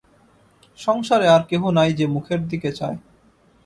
সংসারে আর কেহ নাই যে, মুখের দিকে চায়।